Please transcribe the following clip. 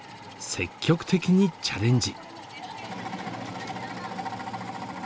積極的にチャレンジ。